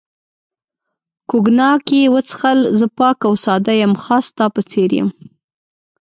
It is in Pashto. کوګناک یې وڅښل، زه پاک او ساده یم، خاص ستا په څېر یم.